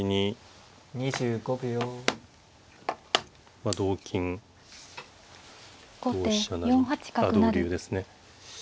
まあ同金同飛車成あ同竜ですね。